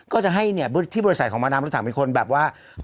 ก็จะให้บริษัทของมาดำรถถังเป็นคนแบบว่า